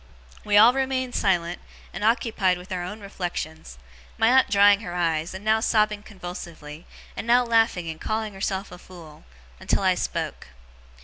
We all remained silent, and occupied with our own reflections (my aunt drying her eyes, and now sobbing convulsively, and now laughing and calling herself a fool); until I spoke.